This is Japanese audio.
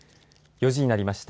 ４時になりました。